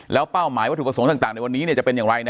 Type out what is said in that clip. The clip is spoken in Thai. แล้วเป้าหมายวัตถุประสงค์ต่างในวันนี้จะเป็นอย่างไร